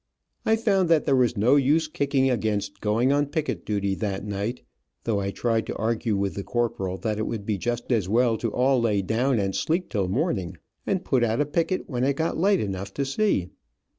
I found that there was no use kicking against going on picket duty that night, though I tried to argue with the corporal that it would be just as well to all lay down and sleep till morning, and put out a picket when it got light enough to see.